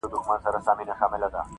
ظالمه یاره سلامي ولاړه ومه-